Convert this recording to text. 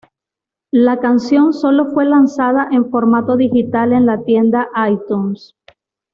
La canción solo fue lanzada en formato digital en la tienda iTunes.